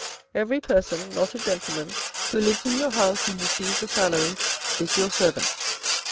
' Every person, not a gentleman, who lives in your house and receives a salary is your servant.'